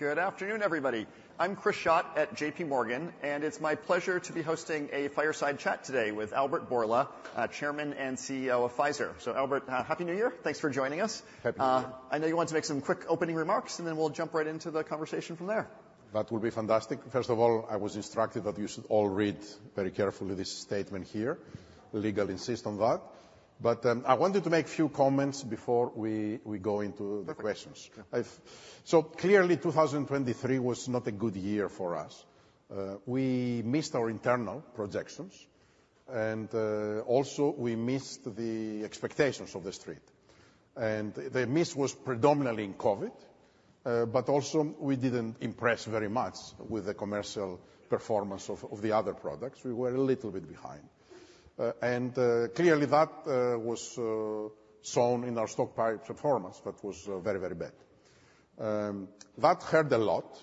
Good afternoon, everybody. I'm Chris Schott at JPMorgan, and it's my pleasure to be hosting a fireside chat today with Albert Bourla, Chairman and CEO of Pfizer. So Albert, happy New Year. Thanks for joining us. Happy New Year. I know you want to make some quick opening remarks, and then we'll jump right into the conversation from there. That would be fantastic. First of all, I was instructed that you should all read very carefully this statement here. Legal insists on that. But, I wanted to make a few comments before we go into the questions. Perfect. So clearly, 2023 was not a good year for us. We missed our internal projections, and also we missed the expectations of the Street. And the miss was predominantly in COVID, but also we didn't impress very much with the commercial performance of the other products. We were a little bit behind. And clearly that was shown in our stock price performance, that was very, very bad. That hurt a lot.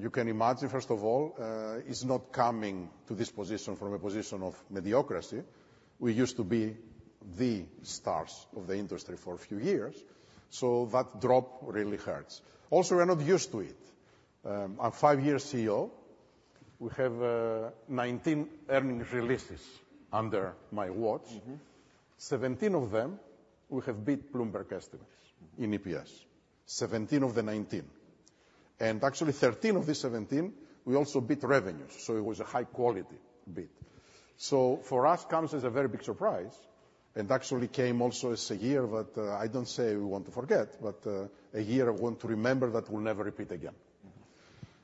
You can imagine, first of all, it's not coming to this position from a position of mediocrity. We used to be the stars of the industry for a few years, so that drop really hurts. Also, we're not used to it. I'm five-year CEO. We have 19 earnings releases under my watch. 17 of them, we have beat Bloomberg estimates in EPS. 17 of the 19. And actually 13 of the 17, we also beat revenues, so it was a high quality beat. So for us, comes as a very big surprise, and actually came also as a year that, I don't say we want to forget, but, a year I want to remember that will never repeat again.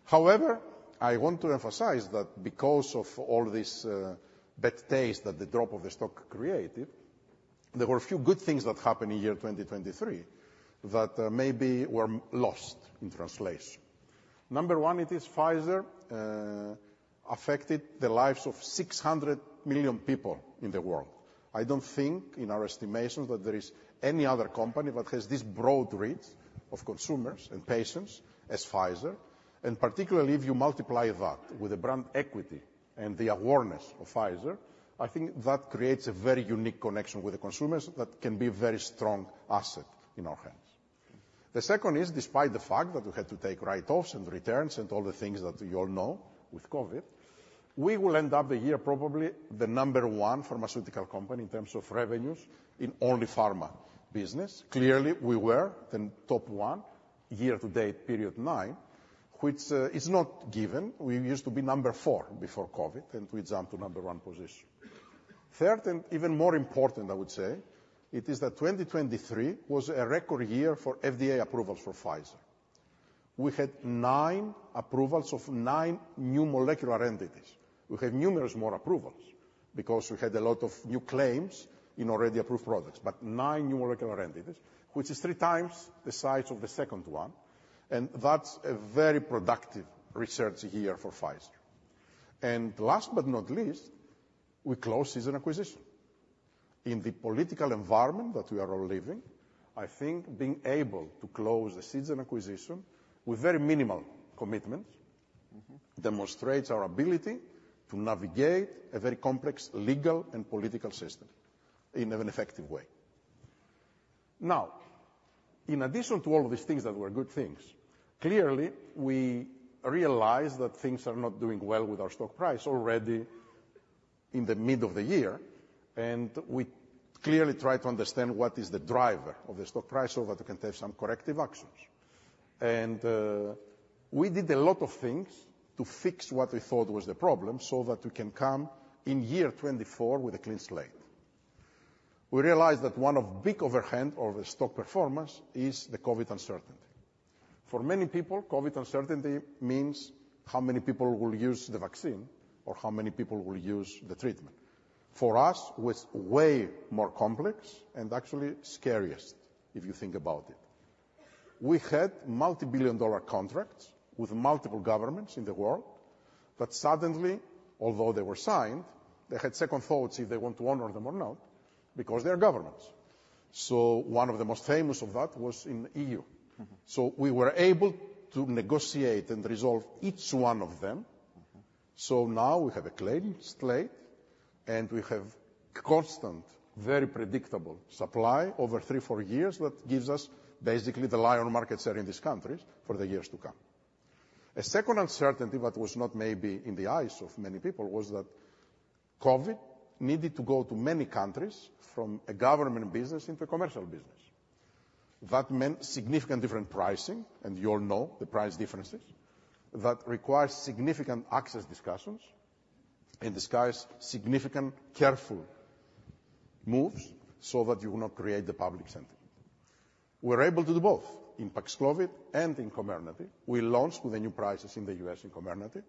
However, I want to emphasize that because of all this, bad taste that the drop of the stock created, there were a few good things that happened in year 2023 that, maybe were lost in translation. Number one, it is Pfizer affected the lives of 600 million people in the world. I don't think in our estimations that there is any other company that has this broad reach of consumers and patients as Pfizer, and particularly if you multiply that with the brand equity and the awareness of Pfizer, I think that creates a very unique connection with the consumers that can be a very strong asset in our hands. The second is, despite the fact that we had to take write-offs and returns and all the things that you all know with COVID, we will end up the year probably the number one pharmaceutical company in terms of revenues in only pharma business. Clearly, we were the top one year to date, period nine, which is not given. We used to be number four before COVID, and we jumped to number one position. Third, and even more important, I would say, it is that 2023 was a record year for FDA approvals for Pfizer. We had nine approvals of nine new molecular entities. We had numerous more approvals because we had a lot of new claims in already approved products, but nine new molecular entities, which is three times the size of the second one, and that's a very productive research year for Pfizer. Last but not least, we closed Seagen acquisition. In the political environment that we are all living, I think being able to close the Seagen acquisition with very minimal commitments demonstrates our ability to navigate a very complex legal and political system in an effective way. Now, in addition to all of these things that were good things, clearly, we realized that things are not doing well with our stock price already in the middle of the year, and we clearly tried to understand what is the driver of the stock price so that we can take some corrective actions. And, we did a lot of things to fix what we thought was the problem so that we can come in year 2024 with a clean slate. We realized that one of big overhang of the stock performance is the COVID uncertainty. For many people, COVID uncertainty means how many people will use the vaccine, or how many people will use the treatment. For us, it was way more complex and actually scariest, if you think about it. We had multi-billion-dollar contracts with multiple governments in the world, but suddenly, although they were signed, they had second thoughts if they want to honor them or not, because they are governments. So one of the most famous of that was in EU.So we were able to negotiate and resolve each one of them. So now we have a clean slate, and we have constant, very predictable supply over three, four years that gives us basically the lion market share in these countries for the years to come. A second uncertainty that was not maybe in the eyes of many people was that COVID needed to go to many countries from a government business into commercial business. That meant significant different pricing, and you all know the price differences. That requires significant access discussions and requires significant, careful moves so that you will not create the public center. We're able to do both in Paxlovid and in Comirnaty. We launched with the new prices in the U.S. in Comirnaty,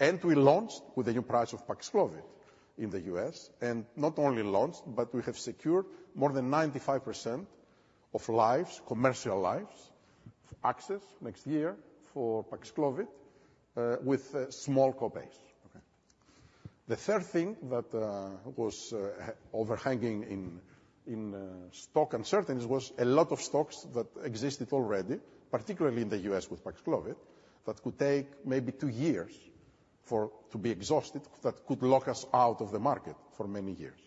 and we launched with a new price of Paxlovid in the U.S., and not only launched, but we have secured more than 95% of lives, commercial lives, access next year for Paxlovid with a small co-pays. Okay. The third thing that was overhanging in stock uncertainties was a lot of stocks that existed already, particularly in the U.S. with Paxlovid, that could take maybe two years for to be exhausted, that could lock us out of the market for many years.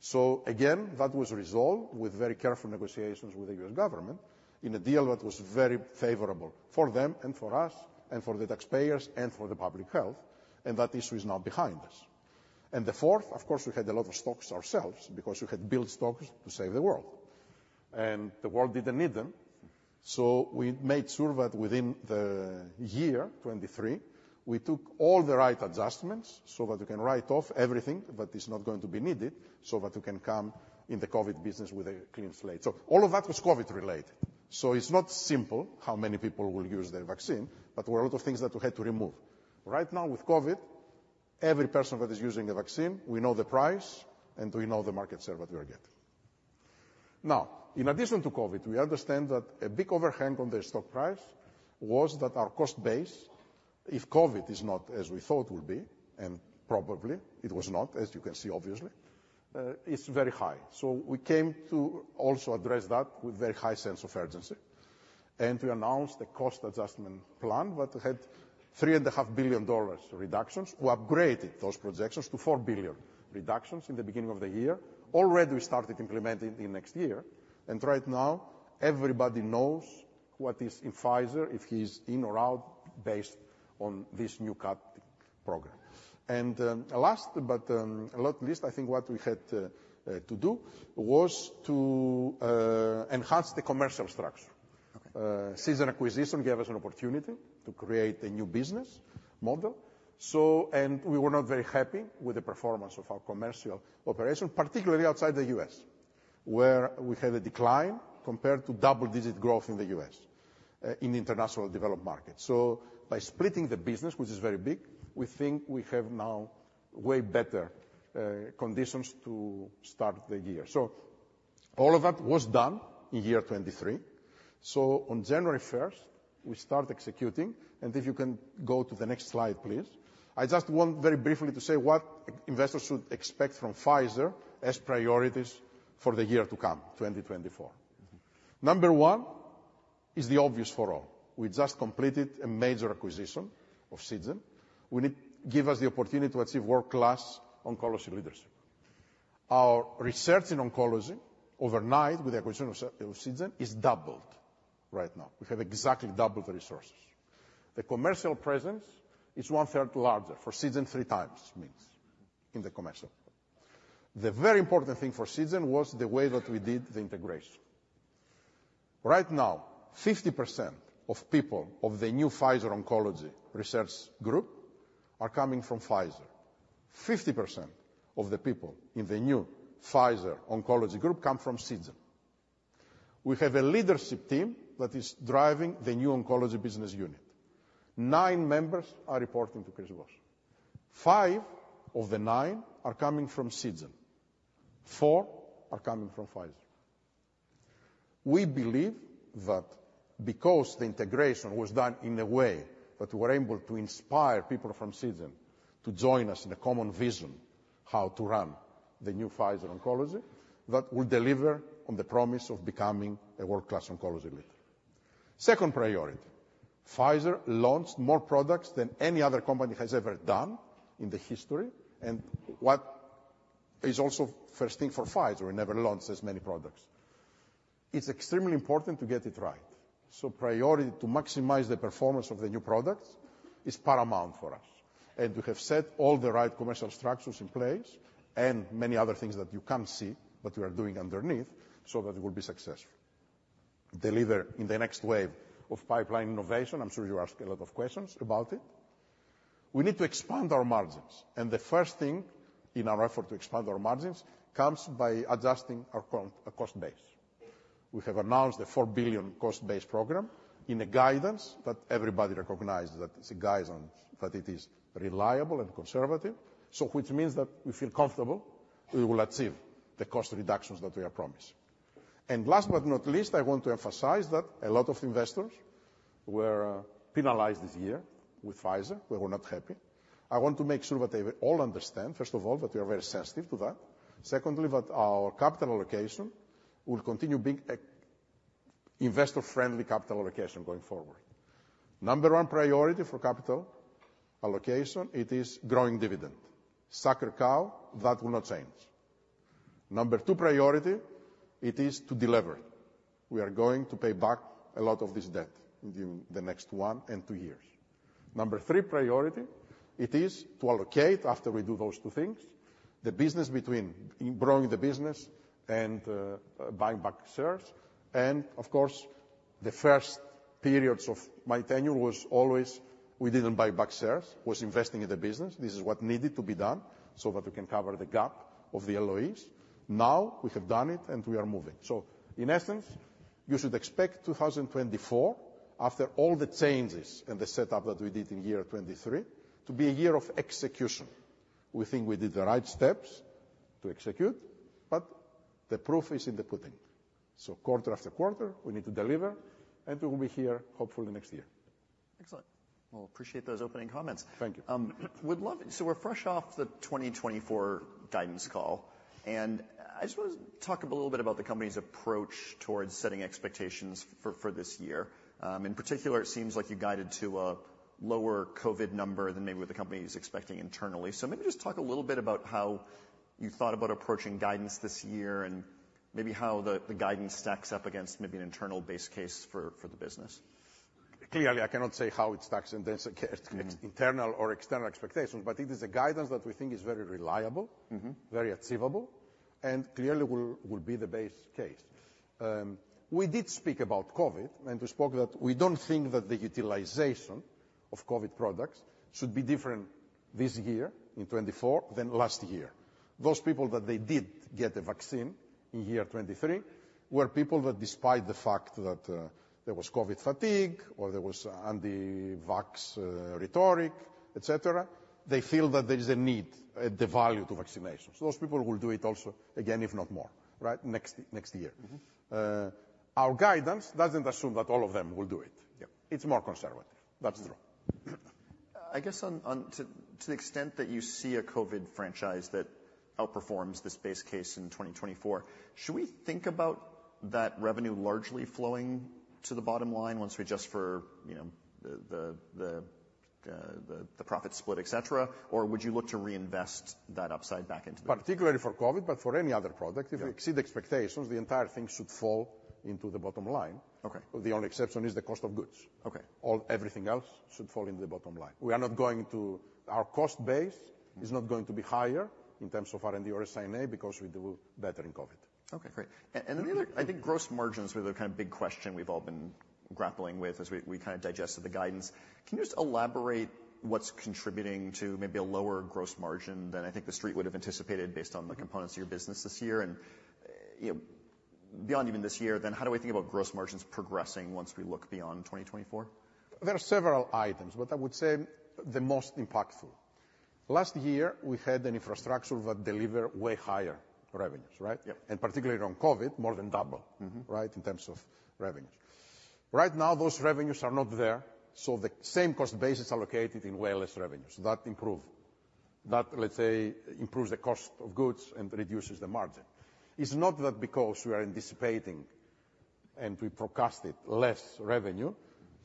So again, that was resolved with very careful negotiations with the U.S. government in a deal that was very favorable for them and for us, and for the taxpayers, and for the public health, and that issue is now behind us. And the fourth, of course, we had a lot of stocks ourselves because we had built stocks to save the world, and the world didn't need them. So we made sure that within the year 2023, we took all the right adjustments so that we can write off everything that is not going to be needed, so that we can come in the COVID business with a clean slate. So all of that was COVID-related. So it's not simple how many people will use the vaccine, but there were a lot of things that we had to remove. Right now with COVID, every person that is using the vaccine, we know the price and we know the market share that we are getting. Now, in addition to COVID, we understand that a big overhang on the stock price was that our cost base, if COVID is not as we thought it would be, and probably it was not, as you can see, obviously, it's very high. So we came to also address that with very high sense of urgency, and to announce the cost adjustment plan that had $3.5 billion reductions. We upgraded those projections to $4 billion reductions in the beginning of the year. Already, we started implementing in next year, and right now everybody knows what is in Pfizer, if he's in or out, based on this new cut program. Last, but not least, I think what we had to do was to enhance the commercial structure. Okay. Seagen acquisition gave us an opportunity to create a new business model. And we were not very happy with the performance of our commercial operation, particularly outside the U.S., where we had a decline compared to double-digit growth in the U.S., in international developed markets. So by splitting the business, which is very big, we think we have now way better conditions to start the year. So all of that was done in year 2023. So on January first, we start executing. And if you can go to the next slide, please. I just want very briefly to say what investors should expect from Pfizer as priorities for the year to come, 2024. Number 1 is the obvious for all. We just completed a major acquisition of Seagen. Will it give us the opportunity to achieve world-class oncology leadership? Our research in oncology overnight with the acquisition of Seagen is doubled right now. We have exactly double the resources. The commercial presence is 1/3 larger, for Seagen, three times means in the commercial. The very important thing for Seagen was the way that we did the integration. Right now, 50% of the people of the new Pfizer oncology research group are coming from Pfizer. 50% of the people in the new Pfizer oncology group come from Seagen. We have a leadership team that is driving the new oncology business unit. nine members are reporting to Chris Boshoff. five of the nine are coming from Seagen, four are coming from Pfizer. We believe that because the integration was done in a way that we're able to inspire people from Seagen to join us in a common vision, how to run the new Pfizer oncology, that will deliver on the promise of becoming a world-class oncology leader. Second priority, Pfizer launched more products than any other company has ever done in the history, and what is also first thing for Pfizer, we never launched as many products. It's extremely important to get it right. So priority to maximize the performance of the new products is paramount for us, and we have set all the right commercial structures in place and many other things that you can't see, but we are doing underneath, so that we'll be successful. Deliver in the next wave of pipeline innovation. I'm sure you ask a lot of questions about it. We need to expand our margins, and the first thing in our effort to expand our margins comes by adjusting our cost, our cost base. We have announced a $4 billion cost base program in a guidance, that everybody recognizes that it's a guidance, that it is reliable and conservative. So which means that we feel comfortable we will achieve the cost reductions that we have promised. And last but not least, I want to emphasize that a lot of investors were penalized this year with Pfizer. We were not happy. I want to make sure that they all understand, first of all, that we are very sensitive to that. Secondly, that our capital allocation will continue being a investor-friendly capital allocation going forward. Number one priority for capital allocation, it is growing dividend. Sacred cow, that will not change. Number two priority, it is to deliver. We are going to pay back a lot of this debt in the next one and two years. Number three priority, it is to allocate, after we do those two things, the business between growing the business and buying back shares. And of course, the first periods of my tenure was always we didn't buy back shares, was investing in the business. This is what needed to be done so that we can cover the gap of the LOEs. Now, we have done it and we are moving. So in essence, you should expect 2024, after all the changes and the setup that we did in year 2023, to be a year of execution. We think we did the right steps to execute, but the proof is in the pudding. So quarter after quarter, we need to deliver, and we will be here hopefully next year. Excellent. Well, appreciate those opening comments. Thank you. Would love. So we're fresh off the 2024 guidance call, and I just want to talk a little bit about the company's approach towards setting expectations for this year. In particular, it seems like you guided to a lower COVID number than maybe what the company is expecting internally. So maybe just talk a little bit about how you thought about approaching guidance this year, and maybe how the guidance stacks up against maybe an internal base case for the business? Clearly, I cannot say how it stacks in terms of internal or external expectations, but it is a guidance that we think is very reliable very achievable, and clearly will be the base case. We did speak about COVID, and we spoke that we don't think that the utilization of COVID products should be different this year, in 2024, than last year. Those people that they did get the vaccine in year 2023, were people that despite the fact that there was COVID fatigue, or there was anti-vax rhetoric, et cetera, they feel that there is a need, the value to vaccination. So those people will do it also, again, if not more, right? Next year. Our guidance doesn't assume that all of them will do it. Yeah. It's more conservative. That's true. I guess to the extent that you see a COVID franchise that outperforms this base case in 2024, should we think about that revenue largely flowing to the bottom line once we adjust for, you know, the profit split, et cetera? Or would you look to reinvest that upside back into- Particularly for COVID, but for any other product- Yeah. If we exceed expectations, the entire thing should fall into the bottom line. Okay. The only exception is the cost of goods. Okay. All, everything else should fall into the bottom line. We are not going to. Our cost base is not going to be higher in terms of R&D or SI&A, because we do better in COVID. Okay, great. And the other, I think, gross margins were the kind of big question we've all been grappling with as we kind of digested the guidance. Can you just elaborate what's contributing to maybe a lower gross margin than I think the street would have anticipated based on the components of your business this year? And, you know, beyond even this year, then, how do we think about gross margins progressing once we look beyond 2024? There are several items, but I would say the most impactful. Last year, we had an infrastructure that delivered way higher revenues, right? Yeah. Particularly on COVID, more than double. Right? In terms of revenues. Right now, those revenues are not there, so the same cost base is allocated in way less revenues. That improve. That, let's say, improves the cost of goods and reduces the margin. It's not that because we are anticipating, and we forecasted less revenue,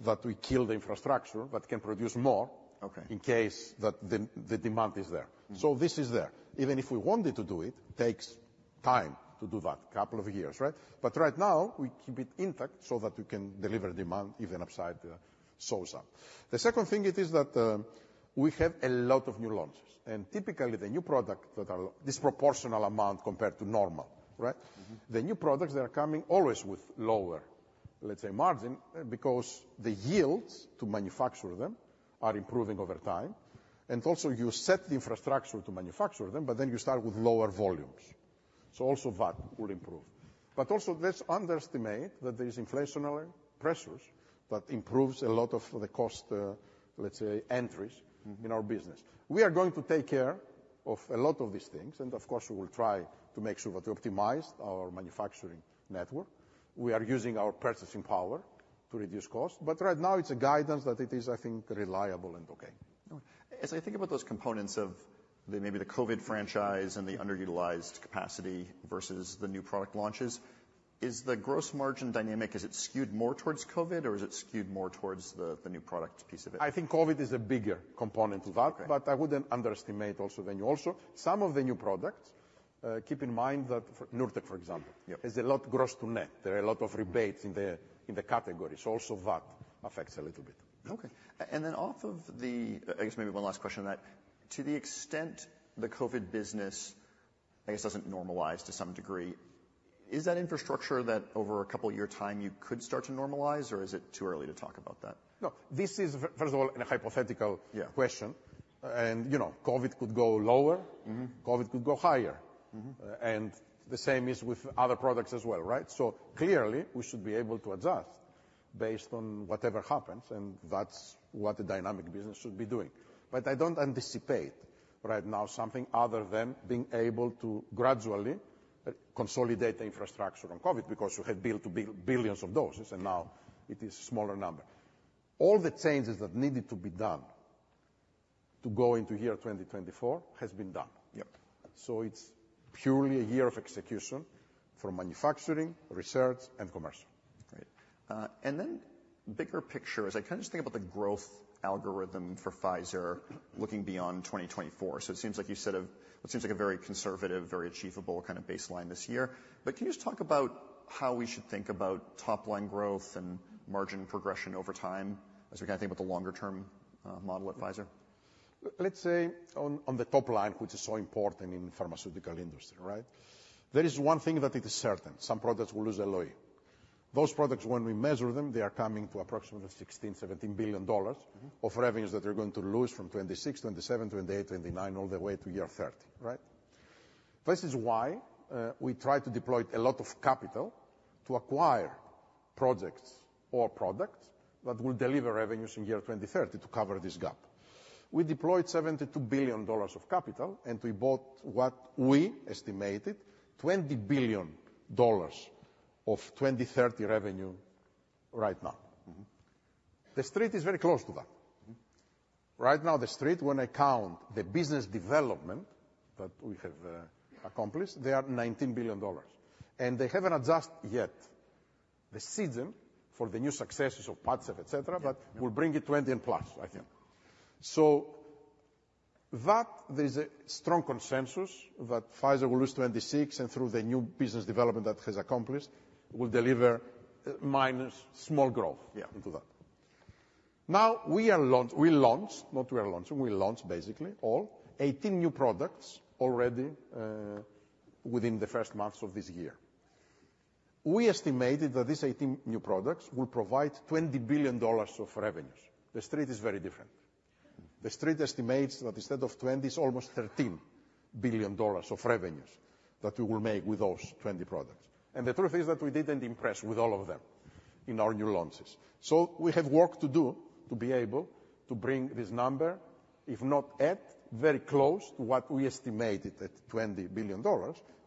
that we kill the infrastructure that can produce more- Okay. in case that the demand is there. So this is there. Even if we wanted to do, it takes time to do that. Couple of years, right? But right now, we keep it intact so that we can deliver demand, even upside, so some. The second thing it is that, we have a lot of new launches, and typically, the new product that are disproportionate amount compared to normal, right? The new products that are coming always with lower, let's say, margin, because the yields to manufacture them are improving over time. And also, you set the infrastructure to manufacture them, but then you start with lower volumes. So also that will improve. But also, let's underestimate that there is inflationary pressures that improves a lot of the cost, let's say, entries- in our business. We are going to take care of a lot of these things, and of course, we will try to make sure that we optimize our manufacturing network. We are using our purchasing power to reduce cost, but right now it's a guidance that it is, I think, reliable and okay. As I think about those components of the, maybe the COVID franchise and the underutilized capacity versus the new product launches, is the gross margin dynamic? Is it skewed more towards COVID, or is it skewed more towards the, the new product piece of it? I think COVID is a bigger component of that. Okay. But I wouldn't underestimate also the new. Also, some of the new products, keep in mind that for Nurtec, for example- Yeah It's a lot gross to net. There are a lot of rebates in the categories. So also that affects a little bit. Okay. And then off of the. I guess maybe one last question on that. To the extent the COVID business, I guess, doesn't normalize to some degree, is that infrastructure that over a couple year time, you could start to normalize, or is it too early to talk about that? No, this is, first of all, in a hypothetical- Yeah question, and you know, COVID could go lower. COVID could go higher. And the same is with other products as well, right? So clearly, we should be able to adjust based on whatever happens, and that's what a dynamic business should be doing. But I don't anticipate right now something other than being able to gradually consolidate the infrastructure on COVID, because you had built billions of doses, and now it is a smaller number. All the changes that needed to be done to go into year 2024 has been done. Yep. It's purely a year of execution for manufacturing, research, and commercial. Great. And then bigger picture, as I kind of just think about the growth algorithm for Pfizer looking beyond 2024. So it seems like you set a, what seems like a very conservative, very achievable kind of baseline this year. But can you just talk about how we should think about top-line growth and margin progression over time as we kind of think about the longer term, model at Pfizer? Let's say, on the top line, which is so important in pharmaceutical industry, right? There is one thing that it is certain, some products will lose a LOE. Those products, when we measure them, they are coming to approximately $16 billion-$17 billion of revenues that they're going to lose from 2026, 2027, 2028, 2029, all the way to year 2030, right? This is why we try to deploy a lot of capital to acquire projects or products that will deliver revenues in year 2030 to cover this gap. We deployed $72 billion of capital, and we bought what we estimated, $20 billion of 2030 revenue right now. The street is very close to that. Right now, the street, when I count the business development that we have accomplished, they are $19 billion, and they haven't adjusted yet the reason for the new successes of Padcev, et cetera, but we'll bring it 20 and plus, I think. So that there's a strong consensus that Pfizer will lose 26, and through the new business development that has accomplished, will deliver minus small growth. Yeah. into that. Now, we are launch- we launched, not we are launching, we launched, basically, all 18 new products already within the first months of this year. We estimated that these 18 new products will provide $20 billion of revenues. The Street is very different. The Street estimates that instead of 20, it's almost $13 billion of revenues that we will make with those 20 products. And the truth is that we didn't impress with all of them in our new launches. So we have work to do to be able to bring this number, if not at, very close to what we estimated at $20 billion,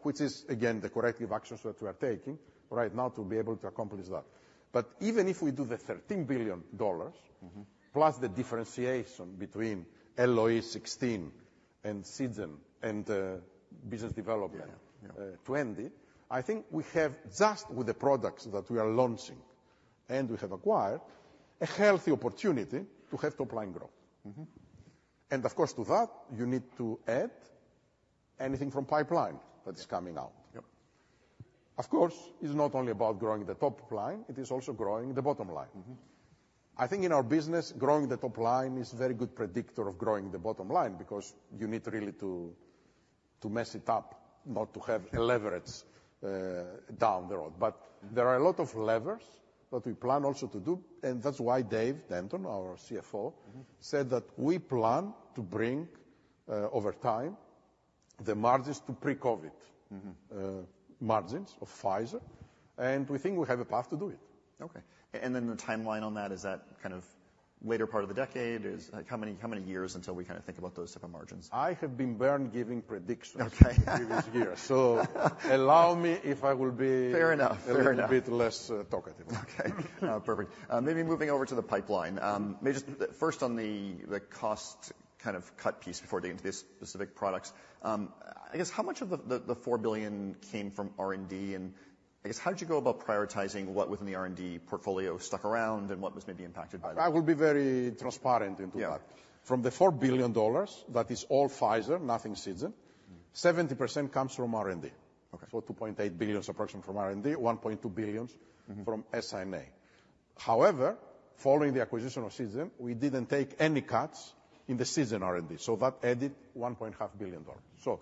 which is, again, the corrective actions that we are taking right now to be able to accomplish that. But even if we do the $13 billion plus the differentiation between LOE 16 and Seagen and business development Yeah, yeah. 20, I think we have just with the products that we are launching and we have acquired a healthy opportunity to have top-line growth. Of course, to that, you need to add anything from pipeline that is coming out. Yep. Of course, it's not only about growing the top line, it is also growing the bottom line. I think in our business, growing the top line is a very good predictor of growing the bottom line, because you need really to mess it up, not to have a leverage down the road. But there are a lot of levers that we plan also to do, and that's why Dave Denton, our CFO said that we plan to bring, over time, the margins to pre-COVID. margins of Pfizer, and we think we have a path to do it. Okay. And then the timeline on that, is that kind of later part of the decade? Is. How many, how many years until we kind of think about those type of margins? I have been burned giving predictions Okay. In previous years. So allow me if I will be Fair enough, fair enough. a little bit less, talkative. Okay, perfect. Maybe moving over to the pipeline. Maybe just first on the cost kind of cut piece before I get into the specific products. I guess, how much of the $4 billion came from R&D? And I guess, how did you go about prioritizing what within the R&D portfolio stuck around and what was maybe impacted by that? I will be very transparent into that. Yeah. From the $4 billion, that is all Pfizer, nothing Seagen, 70% comes from R&D. Okay. So $2.8 billion is approximately from R&D, $1.2 billion from SI&A. However, following the acquisition of Seagen, we didn't take any cuts in the Seagen R&D, so that added $1.5 billion. So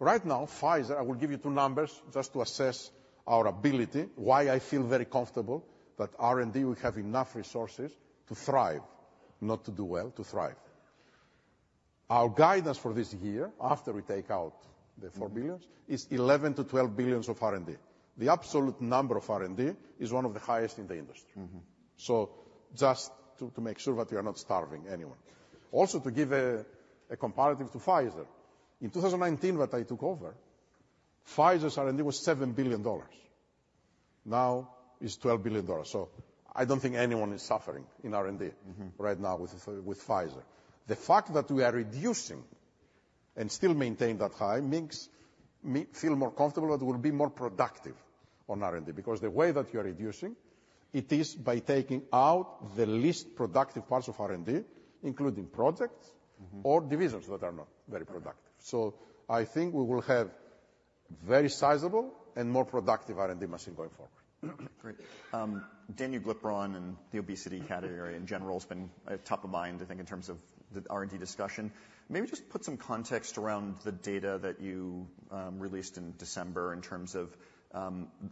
right now, Pfizer, I will give you two numbers just to assess our ability, why I feel very comfortable that R&D will have enough resources to thrive, not to do well, to thrive. Our guidance for this year, after we take out the $4 billion, is $11 billion-$12 billion of R&D. The absolute number of R&D is one of the highest in the industry. So just to make sure that we are not starving anyone. Also, to give a comparative to Pfizer, in 2019, when I took over, Pfizer's R&D was $7 billion. Now it's $12 billion, so I don't think anyone is suffering in R&D. right now with Pfizer. The fact that we are reducing and still maintain that high makes me feel more comfortable that we'll be more productive on R&D, because the way that you are reducing, it is by taking out the least productive parts of R&D, including projects or divisions that are not very productive. So I think we will have very sizable and more productive R&D machine going forward. Great. Danuglipron and the obesity category in general has been at top of mind, I think, in terms of the R&D discussion. Maybe just put some context around the data that you, released in December in terms of,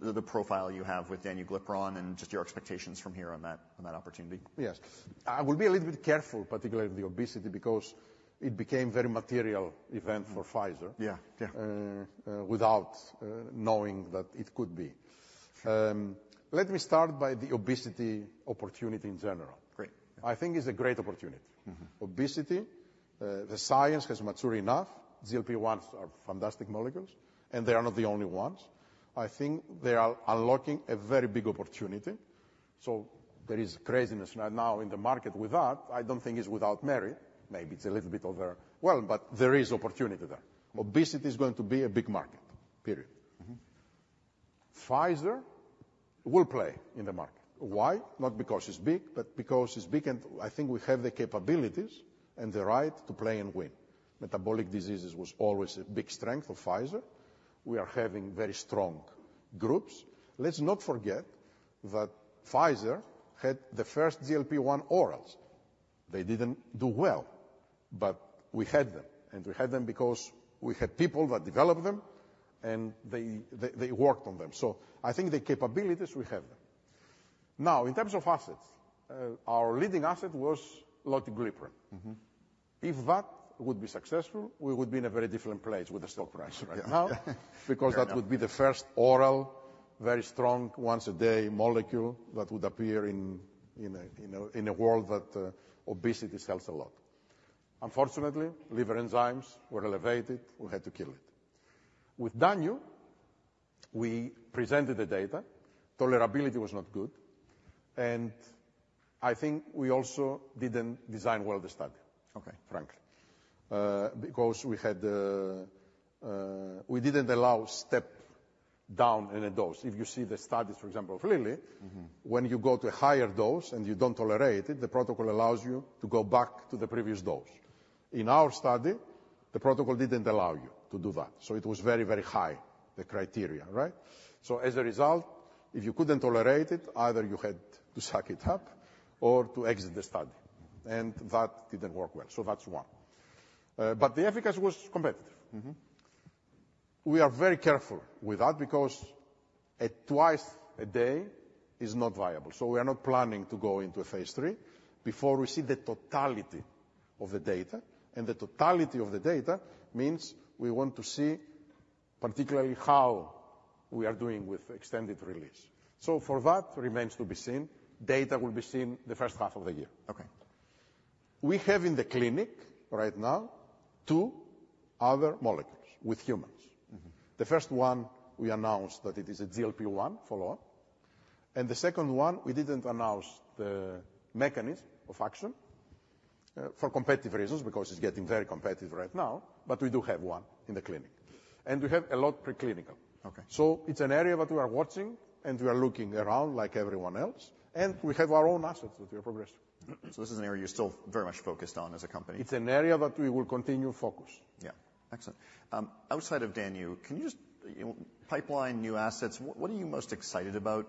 the profile you have with Danuglipron and just your expectations from here on that, on that opportunity. Yes. I will be a little bit careful, particularly with the obesity, because it became very material event for Pfizer- Yeah, yeah without knowing that it could be. Let me start by the obesity opportunity in general. Great. I think it's a great opportunity. Obesity, the science has matured enough. GLP-1s are fantastic molecules, and they are not the only ones. I think they are unlocking a very big opportunity, so there is craziness right now in the market with that. I don't think it's without merit. Maybe it's a little bit over... Well, but there is opportunity there. Obesity is going to be a big market, period. Pfizer will play in the market. Why? Not because it's big, but because it's big, and I think we have the capabilities and the right to play and win. Metabolic diseases was always a big strength of Pfizer. We are having very strong groups. Let's not forget that Pfizer had the first GLP-1 orals. They didn't do well, but we had them, and we had them because we had people that developed them, and they worked on them. So I think the capabilities, we have them. Now, in terms of assets, our leading asset was lotiglipron. If that would be successful, we would be in a very different place with the stock price right now- Yeah. Because that would be the first oral, very strong, once-a-day molecule that would appear in a world that obesity sells a lot. Unfortunately, liver enzymes were elevated. We had to kill it. With Danu, we presented the data. Tolerability was not good, and I think we also didn't design well the study. Okay. Frankly, because we had the, we didn't allow step down in a dose. If you see the studies, for example, of Lilly. When you go to a higher dose and you don't tolerate it, the protocol allows you to go back to the previous dose. In our study, the protocol didn't allow you to do that, so it was very, very high, the criteria, right? So as a result, if you couldn't tolerate it, either you had to suck it up or to exit the study, and that didn't work well. So that's one. But the efficacy was competitive. We are very careful with that because at twice a day is not viable, so we are not planning to go into a phase III before we see the totality of the data. And the totality of the data means we want to see particularly how we are doing with extended release. So for that, remains to be seen. Data will be seen the first half of the year. Okay. We have in the clinic right now, two other molecules with humans. The first one we announced that it is a GLP-1 follow on, and the second one, we didn't announce the mechanism of action, for competitive reasons, because it's getting very competitive right now. But we do have one in the clinic, and we have a lot preclinical. Okay. It's an area that we are watching, and we are looking around like everyone else, and we have our own assets that we are progressing. So this is an area you're still very much focused on as a company? It's an area that we will continue to focus. Yeah. Excellent. Outside of Danu, can you just, you know, pipeline new assets, what, what are you most excited about,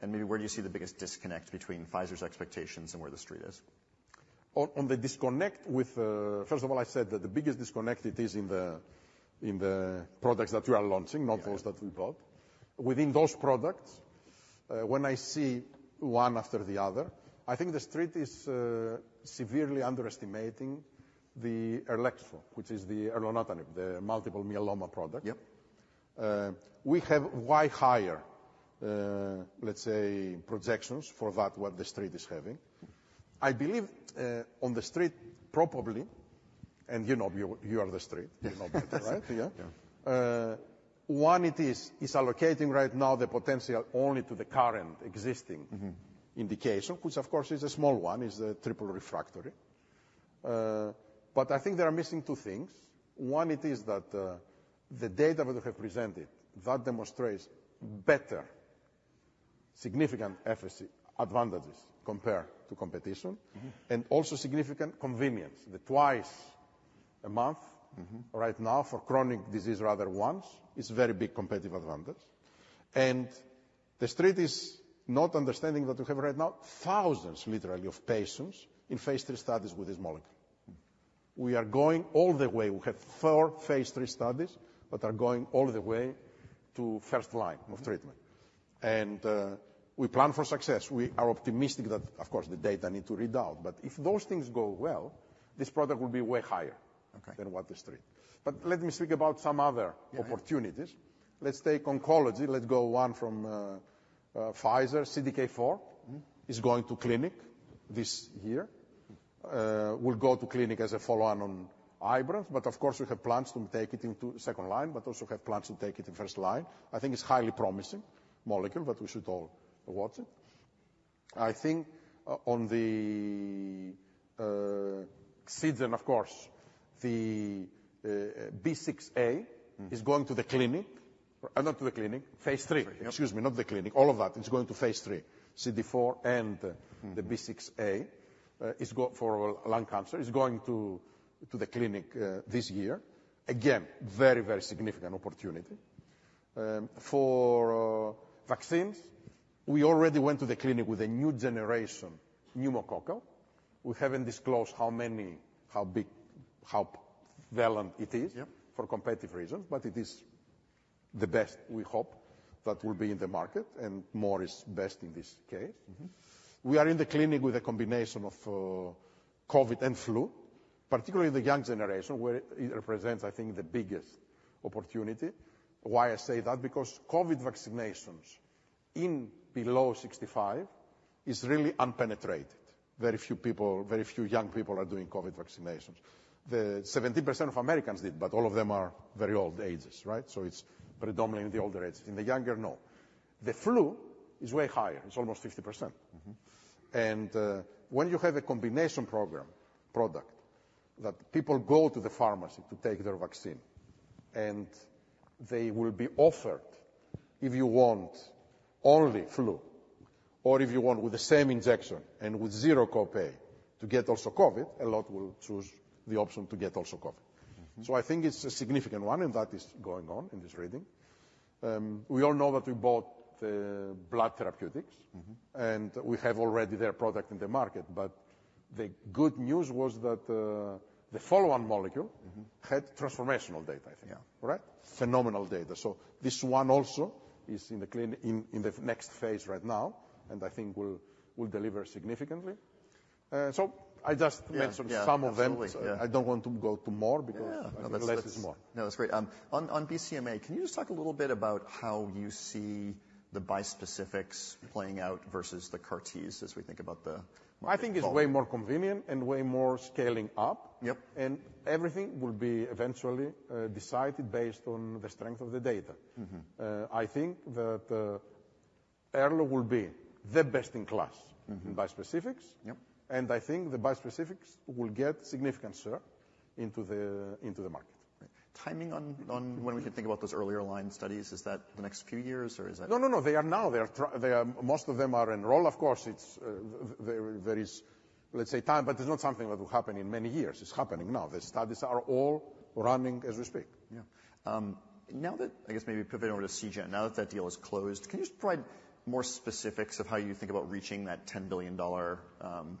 and maybe where do you see the biggest disconnect between Pfizer's expectations and where The Street is? On the disconnect with. First of all, I said that the biggest disconnect it is in the products that we are launching- Yeah. not those that we bought. Within those products, when I see one after the other, I think The Street is severely underestimating the Elrexfio, which is the elranatamab, the multiple myeloma product. Yep. We have way higher, let's say, projections for that, what The Street is having. I believe, on The Street, probably, and you know, you, you are The Street. You know about it, right? Yeah. One, it is, it's allocating right now the potential only to the current existing indication, which of course is a small one, is a triple refractory. But I think they are missing two things. One, it is that, the data that we have presented, that demonstrates better significant efficacy advantages compared to competition. And also significant convenience. The twice a month. Right now for chronic disease, rather once, is a very big competitive advantage. The Street is not understanding that we have right now thousands, literally, of patients in phase III studies with this molecule. We are going all the way. We have four phase III studies that are going all the way to first line of treatment. We plan for success. We are optimistic that. Of course, the data need to read out, but if those things go well, this product will be way higher- Okay than what the Street. But let me speak about some other- Yeah opportunities. Let's take oncology. Let's go one from, Pfizer. CDK4 is going to clinic this year. Will go to clinic as a follow-on on Ibrance, but of course we have plans to take it into second line, but also have plans to take it in first line. I think it's highly promising molecule, but we should all watch it. I think on the Seagen, of course, the B6A is going to the clinic. Not to the clinic, phase III. Yep. Excuse me, not the clinic. All of that is going to phase III. CDK4 and the B6A is going to the clinic for lung cancer this year. Again, very, very significant opportunity. For vaccines, we already went to the clinic with a new generation pneumococcal. We haven't disclosed how many, how big, how valent it is- Yep For competitive reasons, but it is the best we hope that will be in the market, and more is best in this case. We are in the clinic with a combination of COVID and flu, particularly the young generation, where it represents, I think, the biggest opportunity. Why I say that? Because COVID vaccinations in below 65 is really unpenetrated. Very few people, very few young people are doing COVID vaccinations. The 70% of Americans did, but all of them are very old ages, right? So it's predominantly in the older ages. In the younger, no. The flu is way higher. It's almost 50%. When you have a combination program, product, that people go to the pharmacy to take their vaccine, and they will be offered, if you want, only flu or if you want with the same injection and with zero copay, to get also COVID, a lot will choose the option to get also COVID. I think it's a significant one, and that is going on in this reading. We all know that we bought Global Blood Therapeutics and we have already their product in the market. But the good news was that, the follow-on molecule- Had transformational data, I think. Yeah. Right? Phenomenal data. So this one also is in the clinic in the next phase right now, and I think will deliver significantly. So I just mentioned- Yeah, yeah. Some of them. Absolutely, yeah. I don't want to go to more because- Yeah Less is more. No, that's great. On BCMA, can you just talk a little bit about how you see the bispecifics playing out versus the CAR-Ts as we think about the- I think it's way more convenient and way more scaling up. Yep. Everything will be eventually decided based on the strength of the data. I think that Elrexfio will be the best in class in bispecifics. Yep. I think the bispecifics will get significant share into the market. Timing on when we can think about those earlier line studies, is that the next few years or is that? No, no, no, they are now. They are, most of them are enrolled, of course, it's, there, there is, let's say, time, but it's not something that will happen in many years. It's happening now. The studies are all running as we speak. Yeah. Now that... I guess maybe pivoting over to Seagen. Now that that deal is closed, can you just provide more specifics of how you think about reaching that $10 billion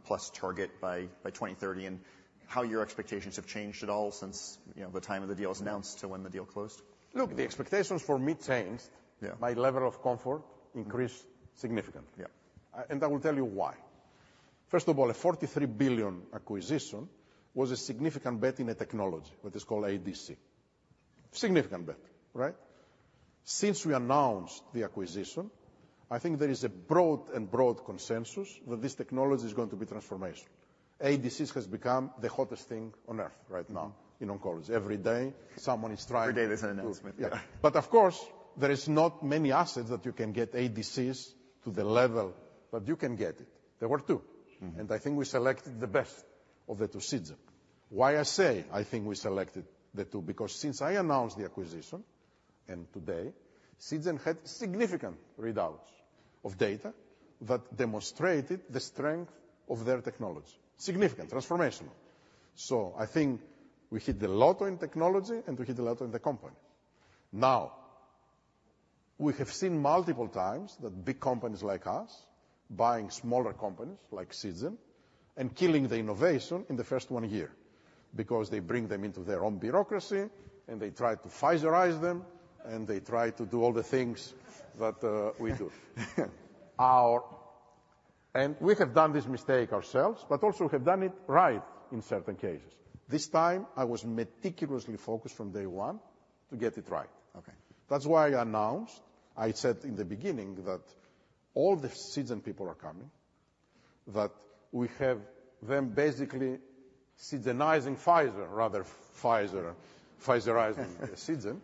plus target by 2030, and how your expectations have changed at all since, you know, the time of the deal was announced to when the deal closed? Look, the expectations for me changed. Yeah. My level of comfort increased significantly. Yeah. I will tell you why. First of all, a $43 billion acquisition was a significant bet in a technology, what is called ADC. Significant bet, right? Since we announced the acquisition, I think there is a broad and broad consensus that this technology is going to be transformational. ADCs has become the hottest thing on Earth right now. Yeah -in oncology. Every day someone is trying- Every day there's an announcement. Yeah. But of course, there is not many assets that you can get ADCs to the level that you can get it. There were two. I think we selected the best of the two, Seagen. Why I say I think we selected the two? Because since I announced the acquisition, and today, Seagen had significant readouts of data that demonstrated the strength of their technology. Significant. Transformational. So I think we hit the lotto in technology, and we hit the lotto in the company. Now, we have seen multiple times that big companies like us, buying smaller companies like Seagen, and killing the innovation in the first one year. Because they bring them into their own bureaucracy, and they try to Pfizerize them, and they try to do all the things that, we do. Our. And we have done this mistake ourselves, but also have done it right in certain cases. This time, I was meticulously focused from day one to get it right. Okay. That's why I announced. I said in the beginning that all the Seagen people are coming, that we have them basically Seagen-izing Pfizer, rather Pfizer, Pfizerizing Seagen.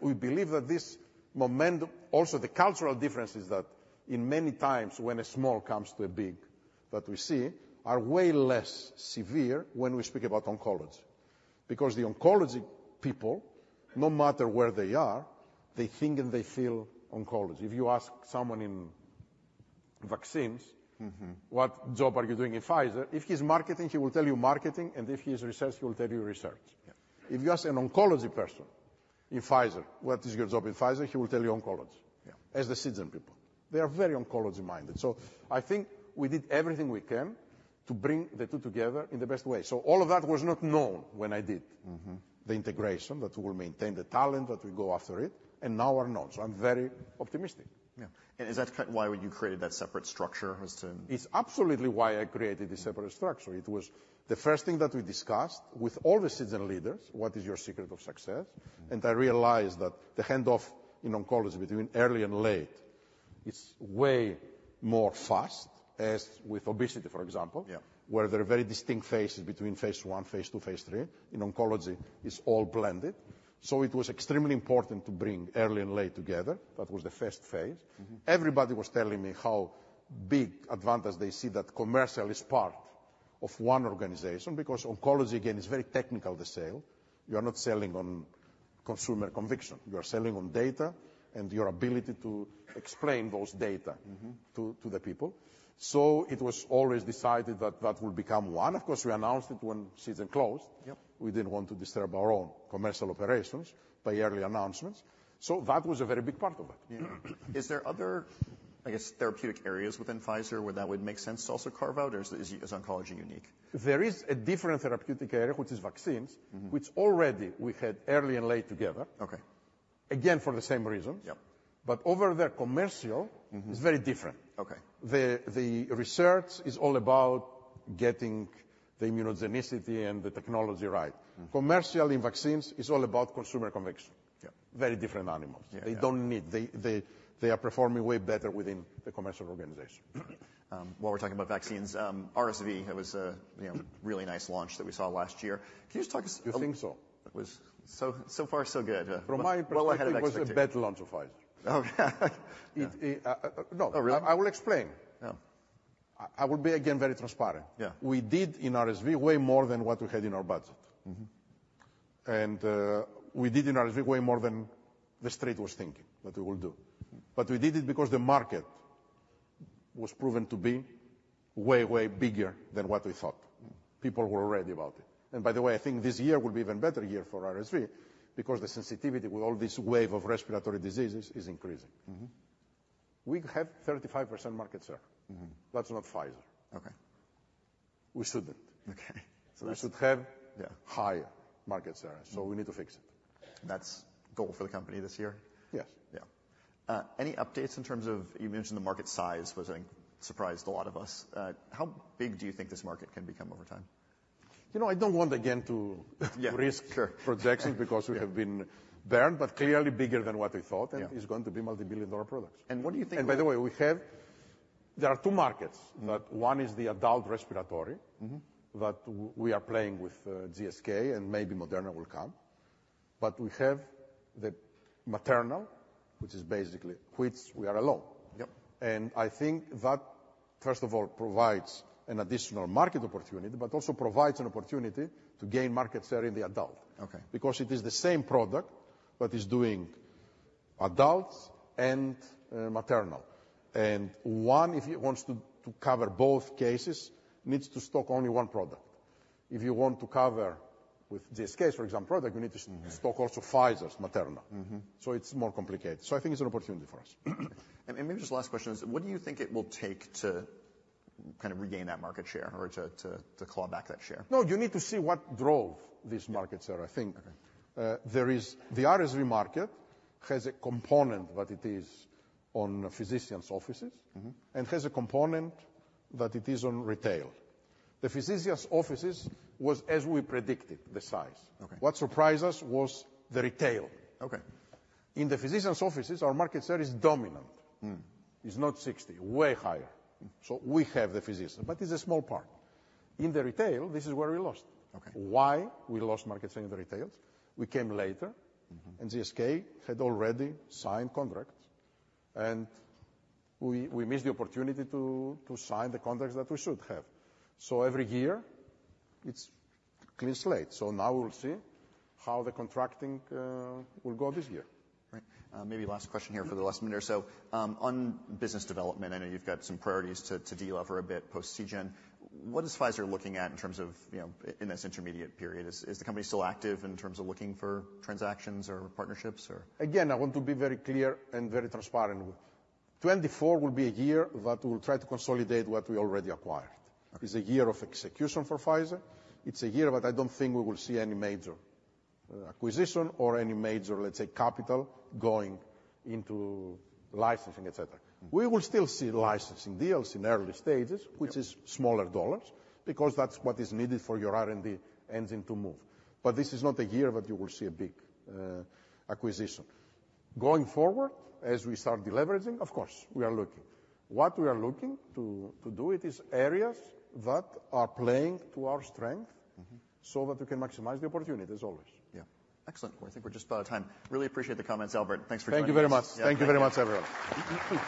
We believe that this momentum... Also, the cultural differences that, in many times, when a small comes to a big, that we see are way less severe when we speak about oncology. Because the oncology people, no matter where they are, they think and they feel oncology. If you ask someone in vaccines. What job are you doing in Pfizer? If he's marketing, he will tell you marketing, and if he is research, he will tell you research. Yeah. If you ask an oncology person in Pfizer, "What is your job in Pfizer?" He will tell you oncology. Yeah. As the Seagen people, they are very oncology-minded. So I think we did everything we can to bring the two together in the best way. So all of that was not known when I did the integration, that we will maintain the talent, that we go after it, and now are known. So I'm very optimistic. Yeah. Is that kind of why when you created that separate structure was to- It's absolutely why I created a separate structure. It was the first thing that we discussed with all the Seagen leaders, "What is your secret of success? I realized that the handoff in oncology between early and late is way more fast as with obesity, for example. Yeah. Where there are very distinct phases between phase I, phase II, phase III. In oncology, it's all blended, so it was extremely important to bring early and late together. That was the first phase. Everybody was pretty telling me how big advantage they see that commercial is part of one organization, because oncology, again, is very technical, the sale. You are not selling on consumer conviction. You are selling on data and your ability to explain those data to the people. So it was always decided that that would become one. Of course, we announced it when Seagen closed. Yep. We didn't want to disturb our own commercial operations by early announcements, so that was a very big part of it. Yeah. Is there other, I guess, therapeutic areas within Pfizer where that would make sense to also carve out, or is, is oncology unique? There is a different therapeutic area, which is vaccines which already we had early and late together. Okay. Again, for the same reasons. Yep. But over there, commercial Is very different. Okay. The research is all about getting the immunogenicity and the technology right. Commercial in vaccines is all about consumer conviction. Yeah. Very different animals. Yeah. They are performing way better within the commercial organization. While we're talking about vaccines, RSV, it was, you know, really nice launch that we saw last year. Can you just talk us- You think so? It wa So, so far, so good. From my perspective- Well ahead of expectations. it was a better launch of Pfizer. Okay. It, uh- Oh, really? I will explain. Yeah. I will be, again, very transparent. Yeah. We did in RSV way more than what we had in our budget. We did in RSV way more than the street was thinking that we will do. But we did it because the market was proven to be way, way bigger than what we thought. People were worried about it. By the way, I think this year will be even better year for RSV, because the sensitivity with all this wave of respiratory diseases is increasing. We have 35% market share. That's not Pfizer. Okay. We shouldn't. Okay. So we should have- Yeah higher market share, so we need to fix it. That's goal for the company this year? Yes. Yeah. Any updates in terms of. You mentioned the market size was, I think, surprised a lot of us. How big do you think this market can become over time? You know, I don't want again to- Yeah -risk projections- Sure because we have been burned, but clearly bigger than what we thought. Yeah. It's going to be multi-billion-dollar products. And what do you think- By the way, there are two markets. That one is the adult respiratory that we are playing with, GSK, and maybe Moderna will come. But we have the maternal, which is basically, which we are alone. Yep. I think that, first of all, provides an additional market opportunity, but also provides an opportunity to gain market share in the adult. Okay. Because it is the same product that is doing adults and maternal. And one, if he wants to cover both cases, needs to stock only one product. If you want to cover with this case, for example, product, you need to stock also Pfizer's maternal. So it's more complicated. So I think it's an opportunity for us. And maybe just last question is, what do you think it will take to kind of regain that market share or to claw back that share? No, you need to see what drove these markets there. Okay. I think, there is the RSV market has a component, but it is on physicians' offices and has a component that it is on retail. The physicians' offices was, as we predicted, the size. Okay. What surprised us was the retail. Okay. In the physicians' offices, our market share is dominant. It's not 60, way higher. So we have the physician, but it's a small part. In the retail, this is where we lost. Okay. Why we lost market share in the retail? We came later GSK had already signed contracts, and we missed the opportunity to sign the contracts that we should have. So every year it's clean slate. So now we'll see how the contracting will go this year. Right. Maybe last question here for the last minute or so. On business development, I know you've got some priorities to delever a bit post-Seagen. What is Pfizer looking at in terms of, you know, in this intermediate period? Is the company still active in terms of looking for transactions or partnerships or? Again, I want to be very clear and very transparent. 2024 will be a year that we will try to consolidate what we already acquired. Okay. It's a year of execution for Pfizer. It's a year, but I don't think we will see any major, acquisition or any major, let's say, capital going into licensing, et cetera. We will still see licensing deals in early stages- Yeah. which is smaller dollars, because that's what is needed for your R&D engine to move. But this is not the year that you will see a big acquisition. Going forward, as we start deleveraging, of course, we are looking. What we are looking to, to do it is areas that are playing to our strength so that we can maximize the opportunity as always. Yeah. Excellent. Well, I think we're just about out of time. Really appreciate the comments, Albert. Thanks for joining us. Thank you very much. Yeah. Thank you very much, everyone.